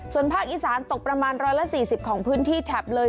ส่วนภาคอีสานตกประมาณ๑๔๐ของพื้นที่แถบเลย